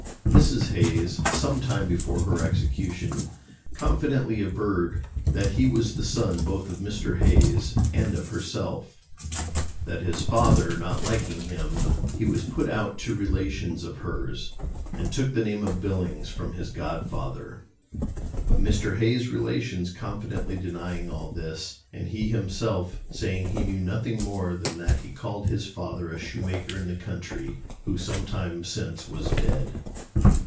Mrs. Hayes, some time before her execution, confidently averred that he was the son both of Mr. Hayes and of herself, that his father not liking him, he was put out to relations of hers and took the name of Billings from his godfather. But Mr. Hayes's relations confidently denying all this, and he himself saying he knew nothing more than that he called his father a shoemaker in the country, who some time since was dead.